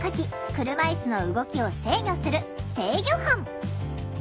車いすの動きを制御する制御班。